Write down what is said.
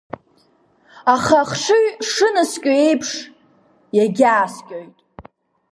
Аха ахшыҩ шынаскьо еиԥш, иагьааскьоит.